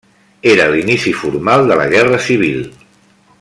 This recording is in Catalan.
Era l'inici formal de la Guerra civil.